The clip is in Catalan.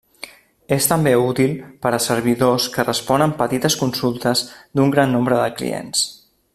És també útil per a servidors que responen petites consultes d'un gran nombre de clients.